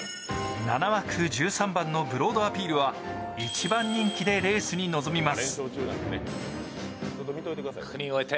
７枠１３番のブロードアピールは一番人気でレースに挑みます。